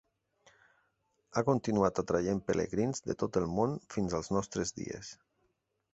Ha continuat atraient pelegrins de tot el món fins als nostres dies.